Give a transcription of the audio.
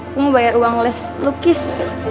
aku mau bayar uang les lukis